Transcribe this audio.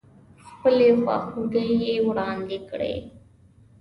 خپلې خواخوږۍ يې واړندې کړې.